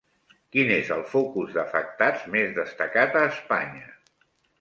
Quin és el focus d'afectats més destacat a Espanya?